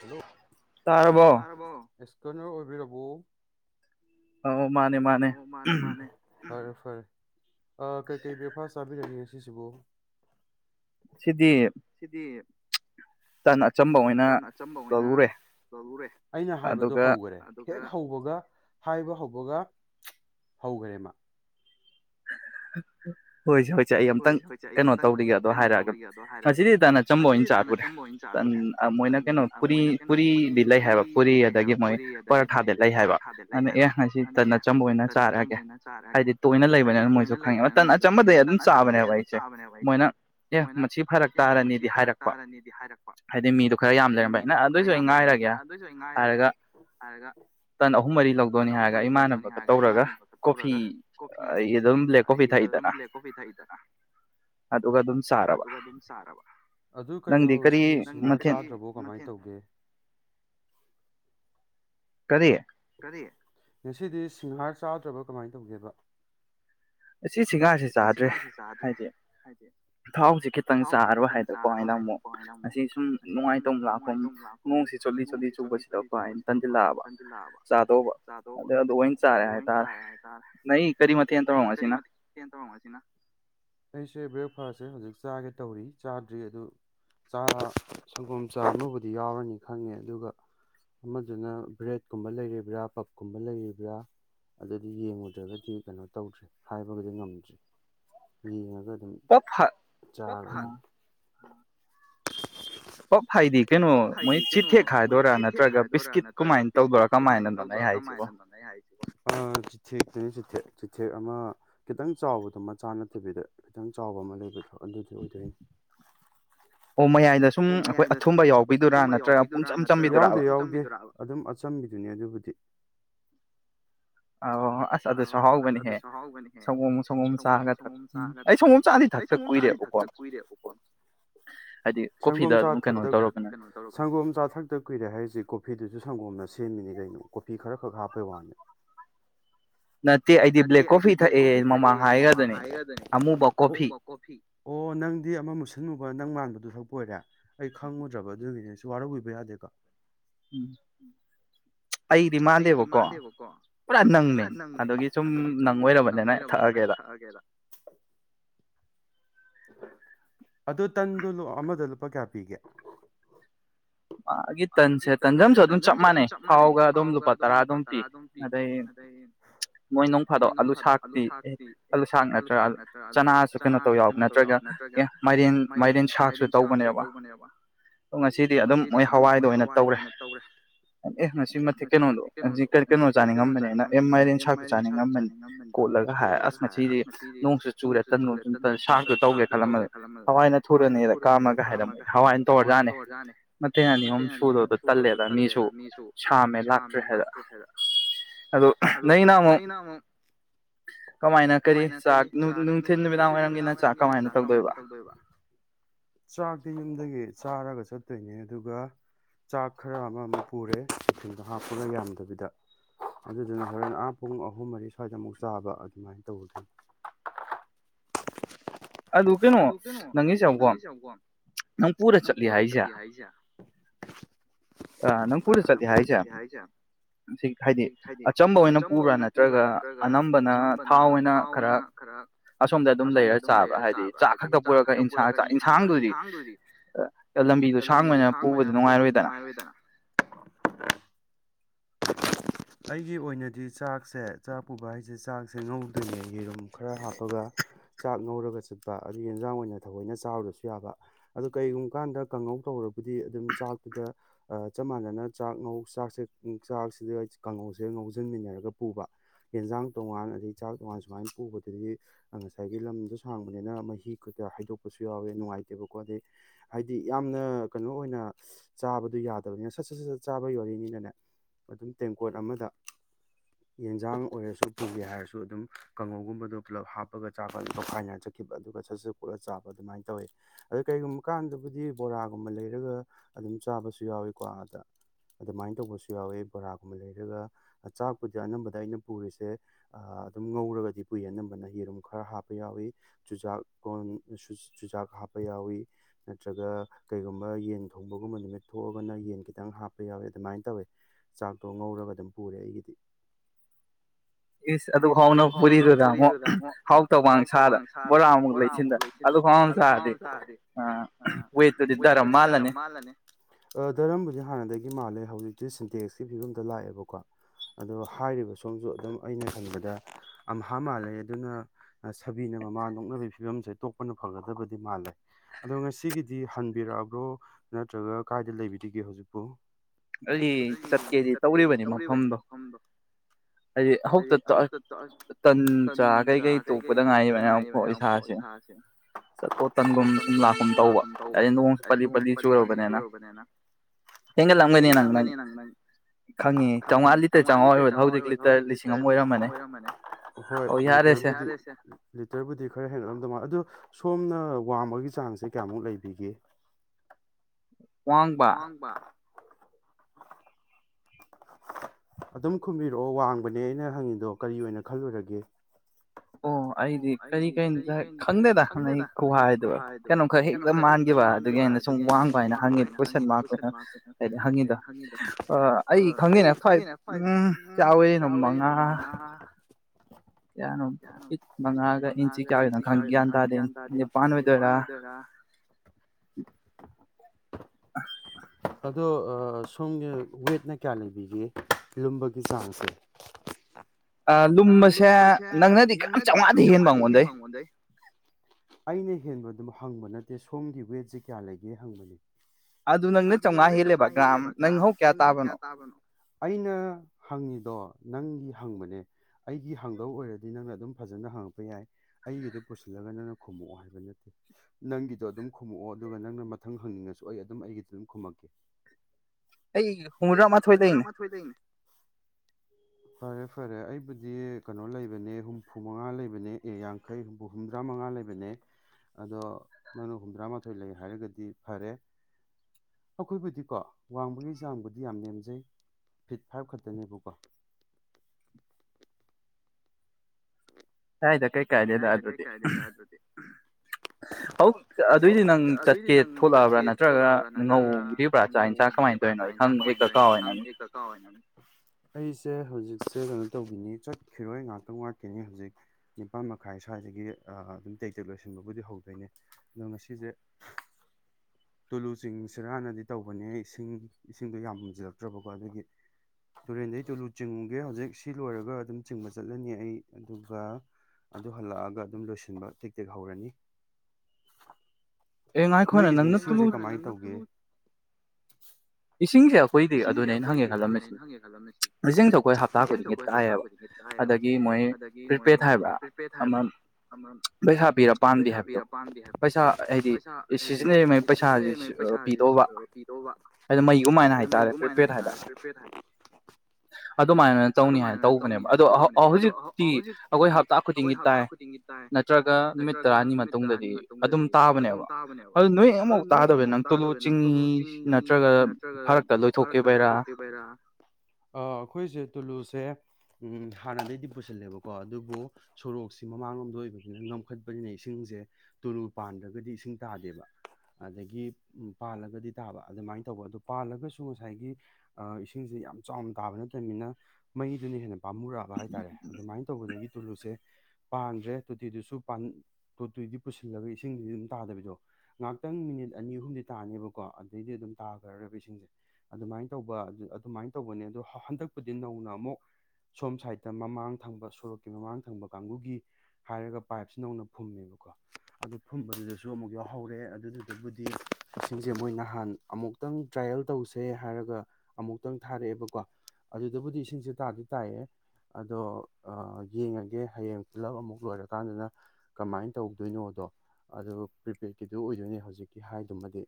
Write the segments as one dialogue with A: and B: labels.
A: hello ꯇꯔꯔꯕꯣ ꯀꯅꯔ ꯑꯣꯏꯕꯤꯔꯕꯎ
B: ꯑ ꯃꯥꯅꯦ ꯃꯥꯅꯦ
A: ꯎꯐꯔ ꯑ ꯀꯩ ꯀꯩ ꯕꯦ ꯐꯥꯁ ꯆꯕꯤ ꯂꯩꯁꯤ ꯁꯤꯕꯨꯣ
B: ꯁꯤꯗꯤ
A: ꯆꯟ ꯑꯆꯝꯕ ꯑꯣꯏꯅ ꯇꯧꯔꯨꯔꯦ ꯑꯩꯅ ꯍꯥꯏꯕꯗꯨꯣ ꯍꯧꯈꯔꯦ ꯍꯦꯛ ꯍꯧꯕꯒ ꯍꯥꯏꯕ ꯍꯧꯕꯒ ꯍꯧꯈꯔꯦꯃ
B: ꯑ ꯍꯣꯏꯁꯦ ꯍꯣꯏꯁꯦ ꯑꯩ ꯑꯝꯇꯪ ꯀꯩꯅꯣ ꯇꯧꯔꯤꯒꯦ ꯑꯗꯣ ꯍꯥꯏꯔꯛꯑꯒꯦ ꯉꯁꯤꯗꯤ ꯇꯟ ꯑꯆꯝꯕ ꯑꯣꯏꯅ ꯆꯥꯔꯨꯔꯦ ꯃꯣꯏꯅ ꯀꯩꯅꯣꯔꯤ ꯄꯨꯔꯤꯗꯤ ꯂꯩ ꯍꯥꯏꯕ ꯄꯨꯔꯤ ꯑꯗꯒꯤ ꯃꯣꯏ ꯄꯔꯥꯊꯥꯗꯤ ꯂꯩ ꯍꯥꯏꯕ ꯑꯗꯨꯅ ꯑꯦ ꯉꯁꯤ ꯇꯟ ꯑꯆꯝꯕ ꯑꯣꯏꯅ ꯆꯥꯔꯛꯑꯒꯦ ꯍꯥꯏꯗꯤ ꯇꯣꯏꯅ ꯂꯩꯕꯅꯤꯅ ꯃꯣꯏꯁꯨ [inaudible]
A: ꯈꯪꯉꯤꯕ ꯇꯟ ꯑꯆꯝꯕꯗꯒꯤꯩ ꯑꯗꯨꯝ ꯆꯥꯕꯅꯦꯕ ꯑꯩꯁꯦ ꯃꯣꯏꯅ ꯑꯦ ꯃꯁꯤ ꯐꯔꯛ ꯇꯥꯔꯅꯤꯗꯤ ꯍꯥꯏꯔꯛꯄ ꯍꯥꯏꯗꯤ ꯃꯤꯗꯣ ꯈꯔ ꯌꯥꯝ ꯂꯩꯔꯝꯕ ꯅꯪ ꯑꯗꯨꯑꯣꯏꯁꯨ ꯑꯩ ꯉꯥꯏꯔꯒꯦ ꯍꯥꯏꯔꯒ ꯇꯟ ꯑꯍꯨꯝ ꯃꯔꯤ ꯂꯧꯗꯣꯏꯅꯤ ꯍꯥꯏꯔꯒ ꯏꯃꯥꯟꯅꯕꯗ ꯇꯧꯔꯒ ꯀꯣꯐꯤ
B: ꯀꯣꯐꯤ ꯊꯥꯏ ꯇꯔꯥ
A: ꯀꯣ ꯊꯛꯏꯗꯅ ꯑꯗꯨꯒ ꯑꯗꯨꯝ ꯆꯥꯔꯕ ꯑꯗꯨ ꯀꯩꯅꯣꯗꯤꯗ꯭ꯔꯣ ꯀꯃꯥꯏ ꯇꯧꯒꯦ
B: ꯀꯔꯤ
A: ꯉꯁꯤꯗꯤ ꯁꯤꯡꯍꯥꯔ ꯆꯥꯗ꯭ꯔꯕ ꯀꯃꯥꯏꯅ ꯇꯧꯒꯦꯕ
B: ꯑꯁꯤꯁꯤꯒꯥꯁꯤꯦ ꯆꯥꯗ꯭ꯔꯦ ꯍꯥꯏꯗꯤ ꯊꯥꯎꯁꯦ ꯈꯤꯇꯪ ꯆꯥꯔꯔꯣꯏ ꯍꯥꯏꯗꯅꯀꯣ ꯑꯩꯅ ꯑꯃꯨꯛ ꯑꯁꯤ ꯁꯨꯝ ꯅꯨꯡꯉꯥꯏꯇꯧ ꯂꯥꯛꯄꯨꯝ ꯅꯣꯡꯁꯤ ꯆꯣꯠꯂꯤ ꯆꯣꯠꯂꯤ ꯆꯨꯕꯁꯤꯗꯀꯣ ꯑꯩꯅ ꯇꯟꯁꯤꯜꯂꯛꯑꯕ ꯆꯥꯗꯧꯕ ꯑꯗ ꯑꯗꯨ ꯑꯣꯏꯅ ꯆꯥꯔꯦ ꯍꯥꯏꯇꯥꯔꯦ ꯅꯪ ꯀꯔꯤ ꯃꯊꯦꯜ ꯇꯧꯔꯝꯁꯤ
A: ꯇꯧꯅ ꯇꯧꯔꯝ ꯉꯁꯤꯅꯥ ꯑꯩꯁꯦ ꯕ꯭ꯔꯦꯛꯐꯥꯁꯁꯦ ꯍꯧꯖꯤꯛ ꯆꯥꯒꯦ ꯇꯧꯔꯤ ꯆꯥꯗ꯭ꯔꯤ ꯑꯗꯨ ꯆꯥ ꯁꯡꯒꯣꯝ ꯆꯥ ꯑꯃꯕꯨꯗꯤ ꯌꯥꯎꯔꯅꯤ ꯈꯉꯦ ꯑꯗꯨꯒ ꯑꯃꯗꯨꯅ ꯕ꯭ꯔꯦꯗꯀꯨꯝꯕ ꯂꯩꯔꯤꯕ꯭ꯔꯥ ꯄꯞꯀꯨꯝꯕ ꯂꯩꯔꯤꯕ꯭ꯔꯥ ꯑꯗꯨꯗꯤ ꯌꯦꯡꯉꯨꯗ꯭ꯔꯒꯗꯤ ꯀꯩꯅꯣ ꯇꯧꯗ꯭ꯔꯦ ꯍꯥꯏꯕꯒꯗꯤ ꯉꯝ ꯍꯦꯉꯒꯥ
B: ꯄꯄꯥꯥ ꯑ [unintelligible]
A: ꯄꯥꯞ ꯍꯥꯏꯗꯤ ꯀꯩꯅꯣ ꯃꯣꯏ ꯆꯤꯊꯦꯛ ꯍꯥꯏꯗꯣꯔꯥ ꯅꯠꯇ꯭ꯔꯒ ꯕꯤꯁꯀꯤꯠ ꯀꯃꯥꯏꯅ ꯇꯧꯗꯣꯏꯔꯥ ꯀꯃꯥꯏꯅꯅꯣ ꯅꯩ ꯍꯥꯏꯁꯤꯕꯣ ꯊꯦꯛ ꯆꯤꯊꯦꯛ ꯑꯃ ꯈꯤꯇꯪ ꯆꯥꯎꯕꯗꯣ ꯃꯆꯥ ꯅꯠꯇꯕꯤꯗ ꯈꯤꯇꯡ ꯆꯥꯎꯕ ꯑꯃ ꯂꯩꯕꯗꯨ ꯑꯗꯨꯗꯤ ꯑꯣꯏꯗꯣꯏ ꯑꯣ ꯃꯌꯥꯏꯗ ꯁꯨꯝ ꯍꯣꯏ ꯑꯊꯨꯝꯕ ꯌꯥꯎꯔꯥ ꯅꯠꯇ꯭ꯔ ꯌꯥꯎꯗ ꯌꯥꯗꯦ ꯑꯗꯨꯝ ꯑꯆꯝꯕꯤꯗꯨꯅꯤ ꯑꯗꯨꯕꯨꯗꯤ ꯑ ꯑꯁ ꯑꯗꯨꯁꯨ ꯍꯥꯎꯕꯅꯤꯍꯦ ꯁꯪꯒꯣꯝ ꯁꯪꯒꯣꯝ ꯆꯥꯒ ꯑꯩ ꯁꯪꯒꯣꯝ ꯆꯥꯗꯤ ꯊ ꯀꯨꯏꯔꯦꯕꯀꯣ ꯁꯪꯒꯣꯝ ꯊ ꯑꯗꯨꯝ ꯀꯩꯅꯣ ꯇꯧꯔ ꯁꯪꯒꯣꯝ ꯆꯥ ꯊꯛꯇ ꯀꯨꯏꯔꯦ ꯍꯥꯏꯔꯤꯁꯤ ꯀꯣꯐ ꯑꯗꯨꯁꯨ ꯁꯪꯒꯣꯝꯅ ꯁꯦꯝꯦꯟꯃꯤꯅꯤ ꯀꯩꯅꯣ ꯀꯣꯐꯤ ꯈꯔ ꯈꯛ ꯍꯥꯞꯄꯩ ꯋꯥꯅꯤ
B: ꯅꯠꯇꯦ ꯑꯩꯗꯤ ꯕ꯭ꯂꯦꯛ ꯀꯣꯐꯤ ꯊꯛꯑꯦ ꯃꯃꯥꯡ ꯍꯥꯏꯒꯗꯨꯅꯦ ꯑꯃꯨꯕ ꯀꯣꯐꯤ
A: ꯑꯣ ꯅꯪꯗꯤ ꯑꯃ ꯃꯨꯁꯤꯟꯂꯨꯕ ꯅꯪ ꯃꯥꯟꯕꯗꯨ ꯈꯛꯄ ꯑꯣꯏꯔꯦ ꯑꯩ ꯈꯪꯉꯨꯗ꯭ꯔꯕ ꯑꯗꯨꯒꯤꯅꯦ ꯁ ꯋꯥꯔꯧꯕꯤꯕ ꯌꯥꯗꯦꯀꯥ
B: ꯝ ꯑꯩ
A: ꯑꯩꯗꯤ ꯃꯥꯟꯗꯦꯕꯀꯣ ꯄꯨꯔꯥ ꯅꯪꯅꯤ ꯑꯗꯨꯒꯤ ꯁꯨꯝ ꯅꯪ ꯑꯣꯏꯔꯕꯅꯤꯅ ꯊꯛꯑꯒꯦꯗ ꯑꯗꯨ ꯇꯟꯗꯨ ꯑꯃꯗ ꯂꯨꯄꯥ ꯀꯌꯥ ꯄꯤꯒꯦ
B: ꯃꯥꯒꯤ ꯇꯟꯁꯦ ꯇꯟꯖꯝꯁꯨ ꯑꯗꯨꯝ ꯆꯞ ꯃꯥꯟꯅꯩ ꯊꯥꯎꯒ ꯑꯗꯨꯝ ꯂꯨꯄꯥ ꯇꯔꯥ ꯑꯗꯨꯝ ꯄꯤ ꯑꯗꯩ ꯅꯣꯏ ꯅꯣꯡ ꯐꯥꯗꯣꯛ ꯑꯥꯂꯨ ꯁꯥꯛ ꯄꯤ ꯑꯦ ꯑꯥꯂꯨ ꯁꯥꯛ ꯅꯠꯇ꯭ꯔꯒ ꯆꯅꯥꯁꯨ ꯀꯩꯅꯣ ꯇꯧ ꯌꯥꯎꯕ ꯅꯠꯇ꯭ꯔꯒ ꯑꯦ ꯃꯥꯏꯔꯦꯟ ꯃꯥꯏꯔꯦꯟ ꯁꯥꯛꯁꯨ ꯇꯧꯕꯅꯦꯕ ꯉꯁꯤꯗꯤ ꯑꯗꯨꯝ
A: ꯁꯤꯗꯤ ꯑꯗꯨꯝ ꯃꯣꯏ ꯍꯋꯥꯏꯗꯣ ꯑꯣꯏꯅ ꯇꯧꯔꯦ ꯑꯦ ꯃꯁꯤꯃꯤ ꯀꯩꯅꯣꯗꯣꯛ ꯀꯩꯅꯣ ꯆꯥꯅꯤꯡꯉꯝꯕꯅꯤꯅ ꯑꯦꯝ ꯃꯥꯏꯔꯦꯟ ꯁꯥꯛꯇꯣ ꯆꯥꯅꯤꯡꯉꯝꯕꯅꯤ ꯀꯣꯠꯂꯒ ꯍꯥꯏꯔ ꯑꯁ ꯃꯁꯤꯗꯤ ꯅꯣꯡꯁꯨ ꯆꯨꯔꯦꯟ ꯁꯥꯛꯇꯨ ꯇꯧꯒꯦ ꯈꯜꯂꯝꯃꯗ ꯍꯋꯥꯏꯅ ꯊꯨꯔꯅꯤꯅ ꯀꯥꯝꯃꯒ ꯍꯥꯏꯔꯅꯣꯏ ꯍꯋꯥꯏꯅ ꯇꯧꯔꯖꯥꯠꯅꯦ ꯃꯇꯦꯡ ꯑꯅꯤ ꯑꯍꯨꯝ ꯁꯨꯗꯣꯗ ꯇꯜꯂꯦꯗ ꯃꯤꯁꯨ ꯁꯥꯝꯃꯦ ꯂꯥꯛꯇ꯭ꯔꯦ ꯍꯥꯏꯕ ꯑ ꯅꯪꯩꯅ ꯑꯃꯨꯛ ꯀꯃꯥꯏꯅ ꯀꯔꯤ ꯆꯥꯛ ꯅꯨꯡꯊꯤꯜ ꯅꯨꯃꯤꯗꯥꯡ ꯋꯥꯏꯔꯝꯒꯤꯅ ꯆꯥꯛ ꯀꯃꯥꯏꯅ ꯇꯧꯗꯣꯏꯕ ꯆꯥꯛꯇꯤ ꯌꯨꯝꯗꯒꯤ ꯆꯥꯔꯒ ꯁꯠꯇꯦꯡꯅꯦ ꯑꯗꯨꯒ ꯆꯥꯛ ꯈꯔ ꯑꯃ ꯑꯃ ꯄꯨꯔꯦ ꯃꯊꯤꯟꯗꯣ ꯍꯥꯞꯄꯒ ꯌꯥꯝꯗꯕꯤꯗ ꯑꯗꯨꯗꯨꯅ ꯍꯣꯔꯦꯟ ꯑꯍꯥ ꯄꯨꯡ ꯑꯍꯨꯝ ꯃꯔꯤ ꯁ꯭ꯋꯥꯏꯗ ꯑꯃꯨꯛ ꯆꯥꯕ ꯑꯗꯨꯃꯥꯏꯅ ꯇꯧꯕꯒ
B: ꯑꯗꯨ ꯀꯩꯅꯣ ꯅꯪꯉꯁꯦꯀꯣ ꯅꯝꯄꯨꯗ ꯆꯠꯂꯤ ꯍꯥꯏꯁꯦ ꯅꯪꯐꯨꯗ ꯆꯠꯂꯤ ꯍꯥꯏꯁꯦ ꯁꯤ ꯍꯥꯏꯗꯤ ꯑꯆꯝꯕ ꯑꯣꯏꯅ ꯄꯨꯕ꯭ꯔꯥ ꯅꯠꯇ꯭ꯔꯒ ꯑꯅꯝꯕꯅ ꯊꯥꯎ ꯑꯣꯏꯅ ꯈꯔ ꯑꯁꯣꯝꯗ ꯑꯗꯨꯝ ꯂꯩꯔ
A: ꯆꯥꯕ꯭ꯔꯥ ꯍꯥꯏꯗꯤ ꯆꯥꯛ ꯈꯛꯇ ꯄꯨꯔꯒꯥꯡꯥꯛ ꯏꯟꯁꯥꯡꯗꯨꯗꯤ ꯂꯝꯕꯤꯗꯨ ꯁꯥꯡ ꯑꯣꯏꯅꯅ ꯄꯨꯕꯗ ꯅꯨꯡꯉꯥꯏꯔꯣꯏꯗꯅ ꯑꯩꯒꯤ ꯑꯣꯏꯅꯗꯤ ꯆꯥꯛꯁꯦ ꯆꯥꯛ ꯄꯨꯕ ꯍꯥꯏꯁꯦ ꯆꯥꯛꯁꯦ ꯉꯧꯗ꯭ꯔꯤꯉꯩ ꯌꯦꯔꯨꯝ ꯈꯔ ꯍꯥꯞꯄꯒ ꯆꯥꯛ ꯉꯧꯔꯒ ꯆꯠꯄ ꯑꯗꯨ ꯌꯦꯟꯖꯥꯡ ꯑꯣꯏꯅ ꯊꯑꯣꯏꯅ ꯆꯥꯔꯨꯔꯁꯨ ꯌꯥꯕ ꯑꯗꯨ ꯀꯔꯤꯒꯨꯝꯕ ꯀꯥꯟꯗ ꯀꯥꯡꯉꯧ ꯇꯧꯔꯕꯨꯗꯤ ꯑꯗꯨꯝ ꯆꯥꯛꯇꯨꯗ ꯆꯞ ꯃꯥꯟꯅꯅ ꯆꯥꯛ ꯉꯧ ꯆꯥꯛꯁꯦ ꯆꯥꯛꯁꯤꯗ ꯀꯥꯡꯉꯧꯁꯤꯒ ꯉꯧꯁꯤꯟꯃꯤꯟꯅꯔꯒ ꯄꯨꯕ ꯌꯦꯟꯁꯥꯡ ꯇꯣꯉꯥꯟ ꯑꯗꯩ ꯆꯥꯛ ꯇꯣꯡꯉꯥꯟ ꯁꯨꯃꯥꯏꯅ ꯄꯨꯕꯗꯗꯤ ꯉꯁꯥꯏꯒꯤ ꯂꯝꯗꯁꯨ ꯍꯥꯡꯕꯅꯤꯅ ꯃꯍꯤ ꯈꯛꯇ ꯍꯥꯏꯗꯣꯛꯄꯁꯨ ꯌꯥꯎꯋꯦ ꯅꯨꯡꯉꯥꯏꯇꯦꯕꯀꯣ ꯑꯗꯩ ꯍꯥꯏꯗꯤ ꯌꯥꯝꯅ ꯀꯩꯅꯣ ꯑꯣꯏꯅ ꯆꯥꯕꯗ ꯌꯥꯗꯕꯅꯤꯅ ꯁꯠ ꯁꯠ ꯁꯠ ꯁꯠ ꯆꯥꯕ ꯌꯣꯔꯤꯅꯤꯅꯅꯦ ꯑꯗꯨꯝ ꯇꯦꯡꯀꯣꯠ ꯑꯃꯗ ꯑꯦꯟꯁꯥꯡ ꯑꯣꯏꯔꯁꯨ ꯄꯨꯒꯦ ꯍꯥꯏꯔꯁꯨ ꯑꯗꯨꯝ ꯀꯥꯡꯉꯧꯒꯨꯝꯕꯗꯣ ꯄꯨꯂꯞ ꯍꯥꯞꯄꯒ ꯆꯥꯕ ꯑꯗꯨ ꯄꯣꯈꯥꯏꯅꯅ ꯆꯠꯈꯤꯕ ꯑꯗꯨꯒ ꯁꯠ ꯁꯠ ꯈꯣꯠꯂ ꯆꯥꯕ ꯑꯗꯨꯃꯥꯏꯅ ꯇꯧꯋꯤ ꯑꯗ ꯀꯔꯤꯒꯨꯝꯕ ꯀꯥꯟꯗꯕꯨꯗꯤ ꯕꯣꯔꯥꯒꯨꯝꯕ ꯂꯩꯔꯒ ꯑꯗꯨꯝ ꯆꯥꯕꯁꯨ ꯌꯥꯎꯋꯤꯀꯣ ꯑꯗ ꯑꯗꯨꯃꯥꯏꯅ ꯇꯧꯕꯁꯨ ꯌꯥꯎꯋ ꯕꯣꯔꯥꯒꯨꯝꯕ ꯂꯩꯔꯒ ꯆꯥꯛꯄꯨꯗꯤ ꯑꯅꯝꯕꯗ ꯑꯩꯅ ꯄꯨꯔꯤꯁꯦ ꯑꯗꯨꯝ ꯉꯧꯔꯒꯗꯤ ꯄꯨꯏ ꯑꯅꯝꯕꯅ ꯌꯦꯔꯨꯝ ꯈꯔ ꯍꯥꯞꯄ ꯌꯥꯎꯏ ꯆꯨꯖꯥꯛ ꯀꯣꯟ ꯆꯨꯖꯥꯛ ꯍꯥꯞꯄ ꯌꯥꯎꯏꯤ ꯅꯠꯇ꯭ꯔꯒ ꯀꯩꯒꯨꯝꯕ ꯌꯦꯟ ꯊꯣꯡꯕꯒꯨꯝꯕ ꯅꯨꯃꯤꯠ ꯊꯣꯛꯑꯒꯅ ꯌꯦꯟ ꯈꯤꯇꯪ ꯍꯥꯞꯄ ꯌꯥꯎꯋꯤ ꯑꯗꯨꯃꯥꯏꯅ ꯇꯧꯋꯦ ꯆꯥꯛꯇꯣ ꯉꯧꯔꯒ ꯑꯗꯨꯝ ꯄꯨꯔꯦ ꯑꯩꯒꯤꯗꯤ ꯏꯁ ꯑꯗꯨ ꯐꯥꯎꯕꯅ ꯄꯨꯔꯤꯗꯨꯗ ꯑꯃꯨꯛ ꯍꯥꯎ ꯇꯧꯕꯥꯡ ꯁꯥꯗ ꯕꯣꯔꯥ ꯑꯃꯨꯛ ꯂꯩꯁꯤꯟꯗ ꯑꯗꯨ ꯐꯥꯎ ꯑꯃ ꯁꯥꯗꯤ ꯋꯦꯠꯇꯨꯗꯤ ꯗꯔꯝ ꯃꯥꯜꯂꯅꯤ ꯗꯔꯝꯕꯨꯗꯤ ꯍꯥꯟꯅꯗꯒꯤ ꯃꯥꯜꯂꯦ ꯍꯧ ꯍꯧꯔꯤ ꯁꯤꯟꯇꯦꯛꯁꯀꯤ ꯐꯤꯕꯝꯗ ꯂꯥꯛꯑꯦꯕꯀꯣ ꯑꯗꯣ ꯍꯥꯏꯔꯤꯕ ꯁꯣꯝꯁꯨ ꯑꯗꯨꯝ ꯑꯩꯅ ꯈꯟꯕꯗ ꯑꯝꯍꯥ ꯃꯥꯜꯂꯦ ꯑꯗꯨꯅ ꯁꯥꯕꯤꯅ ꯃꯃꯥ ꯅꯣꯛꯅꯕꯒꯤ ꯐꯤꯕꯝꯁꯦ ꯇꯣꯛꯄꯅ ꯐꯒꯗꯕꯗꯤ ꯃꯥꯜꯂꯦ ꯑꯗꯣ ꯉꯁꯤꯒꯤꯗꯤ ꯍꯟꯕꯤꯔꯛꯑꯕ꯭ꯔꯣ ꯅꯠꯇ꯭ꯔꯒ ꯀꯥꯏꯗ ꯂꯩꯕꯤꯔꯤꯒꯦ ꯍꯧꯖꯤꯛꯄꯣ
B: ꯑꯩꯗꯤ ꯆꯠꯀꯦꯗꯤ ꯇꯧꯔꯤꯕꯅꯤ ꯃꯐꯝꯗꯣ ꯍꯥꯏꯗꯤ ꯍꯧꯛꯇ ꯇꯟ ꯆꯥ ꯀꯩꯀꯩ ꯇꯣꯛꯄꯗ ꯉꯥꯏꯔꯤꯕꯅꯤꯅꯣ ꯏꯁꯥꯁꯦ ꯆꯠꯇꯣ ꯇꯟꯒꯨꯝ ꯁꯨꯝ ꯂꯥꯛꯀꯨꯝ ꯇꯧꯕ ꯑꯗꯤ ꯅꯣꯡꯁꯨ ꯄꯂꯤ ꯄꯂꯤ ꯆꯨꯔꯕꯅꯤꯅ ꯍꯦꯟꯒꯠꯂꯝ
A: ꯍꯦꯟꯒꯠꯂꯝꯒꯅꯤ ꯅꯪ ꯅꯪ ꯍꯪꯉꯥꯝꯃꯉꯥ ꯂꯤꯇꯔ ꯆꯥꯝꯃꯉꯥ ꯑꯣꯏꯕꯗ ꯍꯧꯖꯤꯛ ꯂꯤꯇꯔ ꯂꯤꯁꯤꯡ ꯑꯃ ꯑꯣꯏꯔꯝꯕꯅꯦ ꯂꯤꯇꯔꯕꯨꯗꯤ ꯈꯔ ꯍꯒꯠꯂꯝꯗ ꯁꯣꯝꯅ ꯋꯥꯡꯕꯒꯤ ꯆꯥꯡꯁꯦ ꯀꯌꯥꯃꯨꯛ ꯂꯩꯕꯤꯒꯦ ꯋꯥꯡꯕꯥ ꯑꯗꯨꯝ ꯈꯨꯝꯕꯤꯔꯛꯑꯣ ꯋꯥꯡꯕꯅꯦ ꯑꯩꯅ ꯍꯪꯉꯤꯗꯣ ꯀꯔꯤ ꯑꯣꯏꯅ ꯈꯜꯂꯨꯔꯒꯦ
B: ꯑꯣ ꯑꯩꯗꯤ ꯀꯔꯤ ꯀꯔꯤꯗ ꯈꯪꯗꯦꯗꯪꯅ ꯑꯩ ꯈꯨꯍꯗꯣ ꯀꯩꯅꯣꯝ ꯈꯔ ꯍꯦꯛꯛꯇ ꯃꯥꯟꯈꯤꯕꯈꯤꯕ ꯑꯗꯨꯒꯤ ꯑꯩꯅ ꯁꯨꯝ ꯋꯥꯡꯕ ꯍꯥꯏꯅ ꯍꯪꯉꯤꯗ ꯀꯣꯏꯁꯟ ꯃꯥꯔꯛ ꯑꯣꯏꯅ ꯍꯥꯏꯗꯤ ꯍꯪꯉꯤꯗ ꯑꯩ
A: ꯑꯩ ꯈꯪꯉꯤꯅꯦ ꯐꯥꯏꯚ ꯎꯝ ꯌꯥꯎꯋꯦ ꯅ ꯃꯉꯥ [unintelligible]
B: ꯀꯌꯥꯅꯣ ꯃꯉꯥꯒ ꯏꯟꯆꯥ ꯀꯌꯥ ꯑꯣꯏꯗꯅꯣ ꯈꯪ ꯒ꯭ꯌꯥꯟ ꯇꯥꯗꯦ ꯅꯤꯄꯥꯟ ꯑꯣꯏꯗꯣꯏꯔꯥ ꯑ
A: ꯑꯗꯣ ꯁꯣꯝꯒꯤ ꯋꯦꯠ ꯀꯌꯥ ꯂꯩꯕꯤꯒꯦ ꯂꯨꯝꯕꯒꯤ ꯆꯥꯡꯁꯦ ꯂꯨꯝꯕꯁꯦ ꯅꯪꯅꯗꯤ ꯀꯔꯝ ꯆꯥꯃꯉꯥꯗ ꯍꯦꯟꯕ ꯑꯩꯉꯣꯟꯗꯩ ꯑꯩꯅ ꯍꯦꯟꯕ ꯍꯪꯕ ꯅꯠꯇꯦ ꯁꯣꯝꯒꯤ ꯋꯦꯠꯁꯦ ꯀꯌꯥ ꯂꯩꯒꯦ ꯍꯪꯕꯅꯤ
B: ꯑꯗꯨ ꯅꯪꯅ ꯆꯥꯝꯃꯉꯥ ꯍꯦꯜꯂꯦꯕ ꯒ꯭ꯔꯥꯝ ꯅꯪ ꯍꯧ ꯀꯌꯥ ꯇꯥꯕ
A: ꯇꯅꯣ ꯑꯩꯅ ꯍꯪꯉꯤꯗꯣ ꯅꯪꯒꯤ ꯍꯪꯕꯅꯦ ꯑꯩꯒꯤ ꯍꯪꯗꯕ ꯑꯣꯏꯔꯗꯤ ꯅꯪꯅ ꯑꯗꯨꯝ ꯐꯖꯅ ꯍꯪꯉꯛꯄ ꯌꯥꯏ ꯑꯩꯒꯤꯗꯣ ꯄꯨꯁꯤꯜꯂꯒ ꯅꯪꯅ ꯈꯨꯝꯃꯛꯑꯣ ꯍꯥꯏꯕ ꯅꯠꯇꯦ ꯅꯪꯒꯤꯗꯣ ꯑꯗꯨꯝ ꯈꯨꯝꯃꯛꯑꯣ ꯑꯗꯨꯒ ꯅꯪꯅ ꯃꯊꯪ ꯍꯪꯅꯤꯡꯉꯁꯨ ꯑꯩ ꯑꯗꯨꯝ ꯑꯩꯒꯤꯗ ꯑꯗꯨꯝ ꯈꯨꯝꯃꯛꯀꯦ
B: ꯑꯩ ꯍꯨꯝꯐꯨꯇꯔꯥ ꯃꯥꯊꯣꯏꯗꯅꯦ
A: ꯐꯔꯦ ꯐꯔꯦ ꯑꯩꯕꯨꯗꯤ ꯀꯩꯅꯣ ꯂꯩꯕꯅꯦ ꯍꯨꯝꯐꯨꯃꯉꯥ ꯂꯩꯕꯅꯦ ꯑꯦ ꯌꯥꯡꯈꯩ ꯍꯨꯝꯐꯨ ꯍꯨꯝꯗ꯭ꯔꯥ ꯃꯉꯥ ꯂꯩꯕꯅꯦ ꯑꯗꯣ ꯅꯪꯅ ꯍꯨꯝꯗ꯭ꯔꯥꯃꯥꯊꯣꯏ ꯂꯩ ꯍꯥꯏꯔꯒꯗꯤ ꯐꯔꯦ ꯑꯩꯈꯣꯏꯕꯨꯗꯤꯀꯣ ꯋꯥꯡꯕꯒꯤ ꯆꯥꯡꯕꯨꯗꯤ ꯌꯥꯝ ꯅꯦꯝꯖꯩ ꯐꯤꯠ ꯍꯥꯏꯕ ꯈꯛꯇꯅꯦꯕꯀꯣ
B: ꯍꯥꯏꯗ
A: ꯀꯥꯏꯗ ꯀꯩꯀꯥꯏꯗꯦꯗ ꯑꯗꯨꯗꯤ ꯑꯗꯨꯑꯣꯏꯗꯤ ꯅꯪ ꯆꯠꯀꯦ ꯊꯣꯛꯂꯛꯑꯕ꯭ꯔꯥ ꯅꯠꯇ꯭ꯔꯒ ꯉꯧꯕꯕ꯭ꯔꯥ ꯆꯥꯛ ꯏꯟꯆꯥꯥꯛ ꯀꯃꯥꯏꯅ ꯇꯧꯔꯤꯅꯣ ꯑꯩꯪ ꯍꯦꯛꯇ ꯀꯥꯎꯏꯅꯣ ꯑꯩꯁꯦ ꯍꯧꯖꯤꯛꯁꯦ ꯀꯩꯅꯣ ꯇꯧꯕꯤꯅꯤ ꯆꯠꯈꯤꯔꯣꯏ ꯉꯍꯥꯛꯇꯪ ꯋꯥꯠꯈꯤꯅꯤ ꯍꯧꯖꯤꯛ ꯅꯤꯄꯥꯥꯟ ꯃꯈꯥꯏ ꯁ꯭ꯋꯥꯏꯗꯒꯤ ꯑꯗꯨꯝ ꯇꯦꯇ ꯂꯣꯏꯁꯤꯟꯕꯕꯨꯗꯤ ꯍꯧꯗꯣꯏꯅꯦ ꯑꯗꯣ ꯉꯁꯤꯁꯦ ꯇꯨꯂꯨ ꯆꯤꯡꯁꯤꯔꯅꯗꯤ ꯇꯧꯕꯅꯦ ꯏꯁꯤꯡ ꯏꯁꯤꯡꯗꯣ ꯌꯥꯝ ꯃꯨꯁꯤꯜꯂꯛꯇ꯭ꯔꯕꯀꯣ ꯑꯗꯒꯤ ꯇꯨꯔꯦꯟꯗꯩ ꯇꯨꯂꯨ ꯆꯤꯡꯒꯦ ꯍꯧꯖꯤꯛ ꯁꯤ ꯂꯣꯏꯔꯒ ꯑꯗꯨꯝ ꯆꯤꯡꯕ ꯆꯠꯂꯅꯤ ꯑꯩ ꯑꯗꯨꯒ ꯑꯗꯨ ꯍꯜꯂꯛꯑꯒ ꯑꯗꯨꯝ ꯂꯣꯏꯁꯤꯟꯕ ꯇꯦꯛ ꯇꯦꯛ ꯍꯧꯔꯅꯤ ꯅꯣꯏꯒꯤꯗꯤ ꯏꯁꯤꯡꯁꯦ ꯀꯃꯥꯏꯅ ꯇꯧꯒꯦ ꯏꯁꯤꯡꯁꯦ ꯑꯩꯈꯣꯏꯗꯤ ꯑꯗꯨꯅꯦ ꯑꯩꯅ ꯍꯪꯉꯦ ꯈꯜꯂꯝꯃꯤꯁꯤ ꯂꯤꯁꯤꯡꯗꯣ ꯑꯩꯈꯣꯏ ꯍꯞꯇꯥꯛ ꯈꯨꯗꯤꯡꯒꯤ ꯇꯥꯏꯌꯦꯕ ꯑꯗꯒꯤ ꯃꯣꯏ ꯄ꯭ꯔꯤꯄꯦꯗ ꯍꯥꯏꯕ ꯑꯃ ꯄꯩꯁꯥ ꯄꯤꯔ ꯄꯥꯝꯗꯦ ꯍꯥꯏꯕꯗꯣ ꯄꯩꯁꯥ ꯍꯥꯏꯗꯤ ꯁꯤꯖꯤꯟꯅ ꯃꯣꯏ ꯄꯩꯁꯥꯁꯤ ꯄꯤꯗꯧꯕ
B: ꯑꯗꯨ ꯑꯗꯨꯃꯥꯏꯅ ꯍꯥꯏꯇꯥꯔꯦ ꯄ꯭ꯔꯤꯄꯦꯗ ꯍꯥꯏꯗ ꯑꯗꯨꯃꯥꯏꯅ ꯇꯧꯅꯤ ꯍꯥꯏꯅ ꯇꯧꯕꯅꯦꯕ ꯑꯗꯣ ꯍꯧꯖꯤꯛꯇꯤ ꯑꯩꯈꯣꯏ ꯍꯞꯇꯥ ꯈꯨꯗꯤꯡꯒꯤ ꯇꯥꯏ ꯅꯠꯇ꯭ꯔꯒ ꯅꯨꯃꯤꯠ ꯇꯔꯥꯅꯤ ꯃꯇꯨꯡꯗꯗꯤ ꯑꯗꯨꯝ ꯇꯥꯕꯅꯦꯕ ꯑꯗꯨ ꯅꯣꯏ ꯑꯃꯐꯥꯎ ꯇꯥꯗꯕꯅꯤ ꯅꯪ ꯇꯨꯂꯨ ꯆꯤꯡꯉꯤ
A: ꯅꯠꯇ꯭ꯔꯒ ꯐꯥꯔꯛꯇ ꯂꯣꯏꯊꯣꯛꯈꯤ ꯕꯩꯔꯥ ꯑꯩꯈꯣꯏꯁꯦ ꯇꯨꯂꯨꯁꯦ ꯍꯥꯟꯅꯗꯒꯤꯩꯗꯤ ꯄꯨꯁꯤꯜꯂꯦꯕꯀꯣ ꯑꯗꯨꯕꯨ ꯁꯣꯔꯣꯛꯁꯤ ꯃꯃꯥꯡꯂꯣꯝꯗ ꯑꯣꯏꯕꯅꯤꯅ ꯉꯝꯈꯠꯄꯅꯤꯅ ꯏꯁꯤꯡꯁꯦ ꯇꯨꯂꯨ ꯄꯥꯟꯗ꯭ꯔꯒꯗꯤ ꯏꯁꯤꯡ ꯇꯥꯗꯦꯕ ꯑꯗꯒꯤ ꯄꯥꯜꯂꯒꯗꯤ ꯇꯥꯕ ꯑꯗꯨꯃꯥꯏꯅ ꯇꯧꯕ ꯑꯗꯣ ꯄꯥꯜꯂꯒꯁꯨ ꯉꯁꯥꯏꯒꯤ ꯏꯁꯤꯡꯁꯦ ꯌꯥꯝ ꯆꯥꯎꯅ ꯇꯥꯕ ꯅꯠꯇꯕꯅꯤꯅ ꯃꯩꯗꯨꯅꯤ ꯍꯦꯟꯅ ꯄꯥꯝꯃꯨꯔꯛꯑꯕ ꯍꯥꯏ ꯇꯥꯔꯦ ꯑꯗꯨꯃꯥꯏꯅ ꯇꯧꯕꯗꯒꯤ ꯇꯨꯂꯨꯁꯦ ꯄꯥꯟꯗ꯭ꯔꯦ ꯇꯣꯇꯤꯗꯨꯁꯨ ꯇꯣꯇꯤꯗꯤ ꯄꯨꯁꯤꯜꯂꯒ ꯏꯁꯤꯡꯗꯨꯗꯤ ꯑꯗꯨꯝ ꯇꯥꯗꯕꯤꯗꯣ ꯉꯥꯏꯍꯥꯛꯇꯪ ꯃꯤꯅꯤꯠ ꯑꯅꯤ ꯑꯍꯨꯝꯗꯤ ꯇꯥꯅꯦꯕꯀꯣ ꯑꯗꯩꯗꯤ ꯑꯗꯨꯝ ꯇꯥꯈ꯭ꯔꯔꯕ ꯏꯁꯤꯡꯁꯦ ꯑꯗꯨꯃꯥꯏꯅ ꯇꯧꯕ ꯑꯗꯨ ꯑꯗꯨꯃꯥꯏꯅ ꯇꯧꯕꯅꯦ ꯑꯗꯣ ꯍꯟꯗꯛ ꯄꯨꯗꯤ ꯅꯧꯅ ꯑꯃꯨꯛ ꯁꯣꯝ ꯁꯥꯏꯠꯇ ꯃꯃꯥꯡ ꯊꯪꯕ ꯁꯣꯔꯣꯛꯀꯤ ꯃꯃꯥꯡ ꯊꯪꯕ ꯀꯥꯡꯒꯨꯒꯤ ꯍꯥꯏꯔꯒ ꯄꯥꯏꯞꯁꯤ ꯅꯧꯅ ꯐꯨꯝꯃꯦꯕꯀꯣ ꯑꯗꯨ ꯐꯨꯝꯕꯗꯨꯗꯁꯨ ꯑꯃꯨꯛ ꯌꯥꯎꯍꯧꯔꯦ ꯑꯗꯨꯗꯨꯗꯕꯨꯗꯤ ꯏꯁꯤꯡꯁꯦ ꯃꯣꯏ ꯅꯍꯥꯟ ꯑꯃꯨꯛꯇꯪ ꯇ꯭ꯔꯥꯏꯌꯦꯜ ꯇꯧꯁꯦ ꯍꯥꯏꯔꯒ ꯑꯃꯨꯛꯇꯪ ꯊꯥꯔꯛꯑꯦꯕꯀꯣ ꯑꯗꯨꯗꯕꯨꯗꯤ ꯏꯁꯤꯡꯁꯦ ꯇꯥꯗꯤ ꯇꯥꯏꯌꯦ ꯑꯗꯣ ꯌꯦꯡꯉꯒꯦ ꯍꯌꯦꯡ ꯄꯨꯂꯞ ꯑꯃꯨꯛ ꯂꯣꯏꯔꯀꯥꯟꯗꯅ ꯀꯃꯥꯏꯅ ꯇꯧꯗꯣꯏꯅꯣꯗꯣ ꯑꯗꯨ ꯄ꯭ꯔꯤꯄꯦꯗꯀꯤꯗꯨ ꯑꯣꯏꯗꯣꯏꯅꯦ ꯍꯧꯖꯤꯛꯀꯤ ꯍꯥꯏꯗꯨꯃꯗꯤ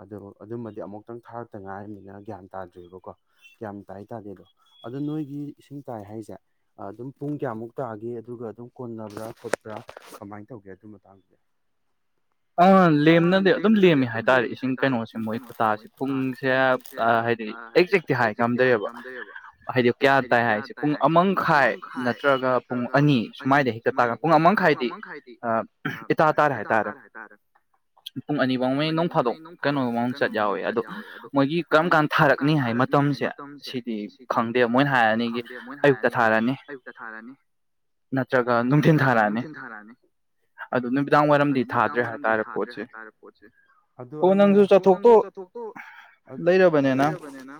A: ꯑꯗꯣ ꯑꯗꯨꯃꯗꯤ ꯑꯃꯨꯛꯇꯪ ꯊꯥꯔꯛꯇ ꯉꯥꯏꯔꯅꯤꯅ ꯒ꯭ꯌꯥꯟ ꯇꯥꯗ꯭ꯦꯑꯕꯀꯣ ꯒ꯭ꯌꯥꯟ ꯇꯥꯥꯏ ꯇꯥꯗꯦ ꯑꯗꯣ ꯑꯗꯣ ꯅꯣꯏꯒꯤ ꯏꯁꯤꯡ ꯇꯥꯏ ꯍꯥꯏꯁꯦ ꯑꯗꯨꯝ ꯄꯨꯡ ꯀꯌꯥꯃꯨꯛ ꯇꯥꯒꯦ ꯑꯗꯨꯒ ꯑꯗꯨꯝ ꯀꯣꯟꯅꯕ꯭ꯔꯥ ꯈꯣꯠꯄ꯭ꯔꯥ ꯀꯃꯥꯏꯅ ꯇꯧꯒꯦ ꯑꯗꯨ ꯃꯇꯥꯡꯗꯨ
B: ꯑꯥ ꯂꯦꯝꯅꯗꯤ ꯑꯗꯨꯝ ꯂꯦꯝꯃꯤ ꯍꯥꯏꯇꯥꯥꯔꯦ ꯏꯁꯤꯡ ꯀꯩꯅꯣꯁꯦ ꯃꯣꯏ ꯈꯨꯇꯥꯁꯦ ꯄꯨꯡꯁꯦ ꯍꯥꯏꯗꯤ ꯑꯦꯛꯖꯦꯛꯇꯤ ꯍꯥꯏ ꯉꯝꯗꯔꯦꯕ ꯍꯥꯏꯗꯤ ꯀꯌꯥ ꯇꯥꯏ ꯍꯥꯏꯁꯦ ꯄꯨꯡ ꯑꯃꯈꯥꯏ ꯅꯠꯇ꯭ꯔꯒ ꯄꯨꯡ ꯑꯅꯤ ꯁꯨꯃꯥꯏꯗ ꯍꯦꯛꯇ ꯇꯥ ꯄꯨꯡ ꯑꯃꯈꯥꯏꯗꯤ ꯏꯇꯥ ꯇꯥꯔꯦ ꯍꯥꯏꯇꯥꯔꯦ ꯄꯨꯡ ꯑꯅꯤꯐꯥꯎ ꯃꯩ ꯅꯣꯡ ꯐꯥꯗꯣꯛ ꯀꯩꯅꯣꯕꯥꯎ ꯆꯠ ꯌꯥꯎꯋꯦ ꯑꯗꯣ ꯃꯣꯏꯒꯤ ꯀꯔꯝ ꯀꯥꯟ ꯊꯥꯔꯛꯅꯤ ꯍꯥꯏ ꯃꯇꯝꯁꯦ ꯁꯤꯗꯤ ꯈꯪ ꯃꯣꯏꯅ ꯍꯥꯏꯔꯛꯑꯅꯤ ꯑꯌꯨꯛꯇ ꯊꯥꯔꯛꯑꯅꯤ ꯅꯠꯇ꯭ꯔꯒ ꯅꯨꯡꯊꯤꯜ ꯊꯥꯔꯛꯑꯅꯤ ꯑꯗꯨ ꯅꯨꯃꯤꯗꯥꯡ ꯋꯥꯏꯔꯝꯗꯤ ꯊ
A: ꯊꯥꯗ꯭ꯔꯦ ꯍꯥꯏꯇꯥꯔꯦ ꯄꯣꯠꯁ ꯑꯗꯨ ꯑꯩꯅ ꯆꯠꯊꯣꯛꯇ ꯂꯩꯔꯕꯅꯤꯅ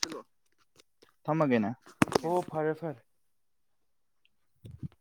A: ꯁꯤꯜꯂꯣ ꯑꯣ ꯐꯔꯦ ꯐꯔꯦ
B: ꯏꯤꯛ ꯏꯤꯛ